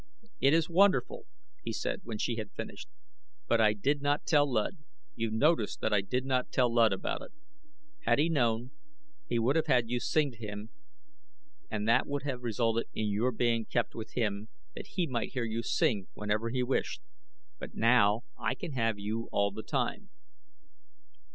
"It is wonderful," he said, when she had finished; "but I did not tell Luud you noticed that I did not tell Luud about it. Had he known, he would have had you sing to him and that would have resulted in your being kept with him that he might hear you sing whenever he wished; but now I can have you all the time."